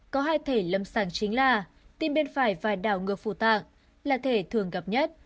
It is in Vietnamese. có hai thể lâm sàng chính là tim bên phải và đảo ngược phủ tạng là thể thường gặp nhất